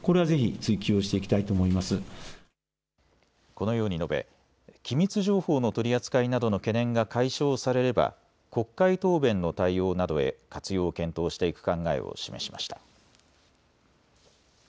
このように述べ機密情報の取り扱いなどの懸念が解消されれば国会答弁の対応などへ活用を検討していく考えを示しました。